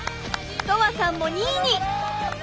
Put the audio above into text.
とわさんも２位に！